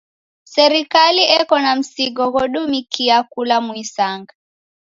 Serikali eko na msigo ghodumikia kula muisanga.